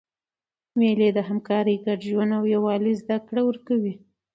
مېلې د همکارۍ، ګډ ژوند او یووالي زدهکړه ورکوي.